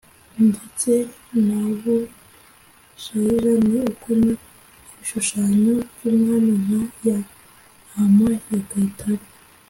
ndetse na bushaija ni uko, ni ibishushanyo by'ubwami nka ya ntama ya kayitare.